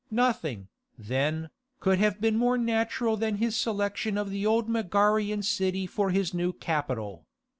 Nothing, then, could have been more natural than his selection of the old Megarian city for his new capital.